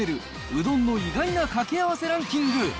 うどんの意外なかけあわせランキング。